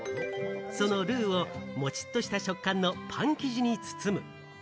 そのルーをもちっとした食感のパン生地に包む。